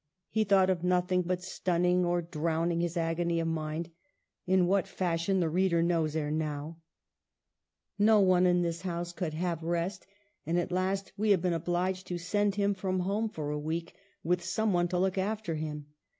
He thought of nothing but stunning or drowning his agony of mind" (in what fashion, the reader knows ere now), " no one in this house could have rest, and at last we have been obliged to send him from home for a week, with some one to look after him.